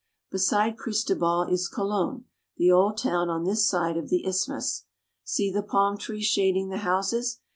Beside Cristobal is Colon, the old town on this side of the isthmus. See the palm trees shading the houses.